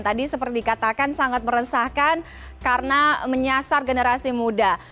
tadi seperti dikatakan sangat meresahkan karena menyasar generasi muda